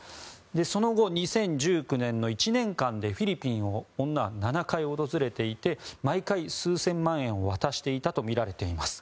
その後、２０１９年の１年間でフィリピンを女は７回訪れていて毎回、数千万円を渡していたとみられています。